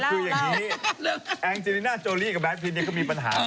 คืออย่างนี้แองเจรน่าโจรี่กับแบทพิษก็มีปัญหากันอยู่